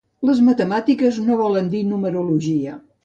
Les matemàtiques no volen dir numerologia.